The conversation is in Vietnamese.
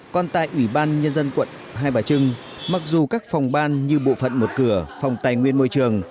còn tại ủy ban nhân dân quận hai bà trưng mặc dù các phòng ban như bộ phận một cửa phòng tài nguyên môi trường